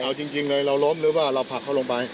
เอาจริงเลยเราล้มหรือว่าเราผลักเขาลงไป